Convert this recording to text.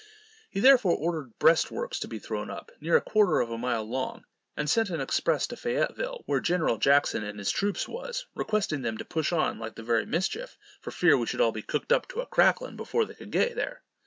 He, therefore, ordered breastworks to be thrown up, near a quarter of a mile long, and sent an express to Fayetteville, where General Jackson and his troops was, requesting them to push on like the very mischief, for fear we should all be cooked up to a cracklin before they could get there.